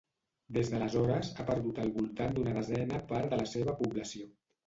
Des d'aleshores, ha perdut al voltant d'una desena part de la seva població.